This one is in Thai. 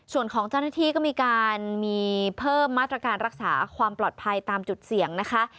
ส่วนของเจ้าหน้าที่ก็มีการมีเพิ่มมาตรการรักษาความปลอดภัยตามจุดเสี่ยงนะคะ